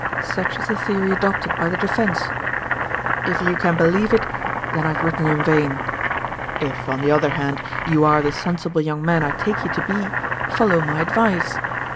Such is the theory adopted by the defense. If you can believe it then I have written in vain. If, on the other hand, you are the sensible young man I take you to be, follow my advice.